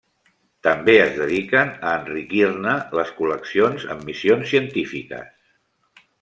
També es dediquen a enriquir-ne les col·leccions amb missions científiques.